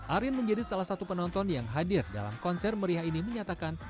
arin menjadi salah satu penonton yang hadir dalam konser meriah ini menyatakan